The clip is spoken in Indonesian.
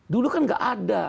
dulu kan gak ada